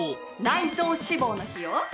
内臓脂肪の日よ。